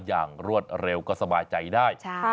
อย่างรวดเร็วก็สบายใจได้